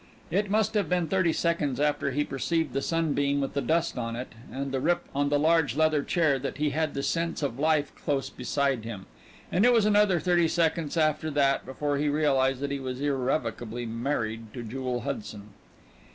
It must have been thirty seconds after he perceived the sunbeam with the dust on it and the rip on the large leather chair that he had the sense of life close beside him, and it was another thirty seconds after that before that he realized that he was irrevocably married to Jewel Hudson.